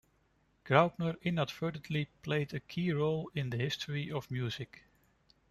Graupner inadvertently played a key role in the history of music.